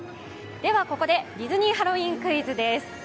ここでディズニーハロウィーンクイズです。